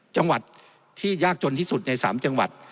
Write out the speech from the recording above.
จังหวัดที่ยากจนที่สุดใน๓จังหวัด